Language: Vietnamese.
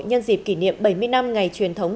nhân dịp kỷ niệm bảy mươi năm ngày truyền thống